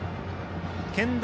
健大